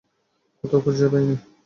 কোথাও খুঁজে পাইনি।